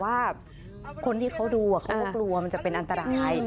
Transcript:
ว่าคนที่เขาดูเขาก็กลัวมันจะเป็นอันตราย